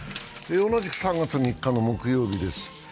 同じく３月３日の金曜日です。